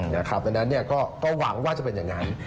เพราะฉะนั้นก็หวังว่าจะเป็นอย่างไร